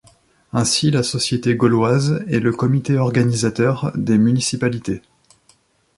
Ainsi la société Gauloise et le Comité organisateur des municipalités.